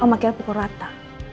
om akan pukul rata